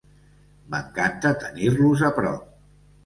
M'encanta tenir-los a prop.